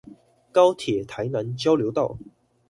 高鐵台南交流道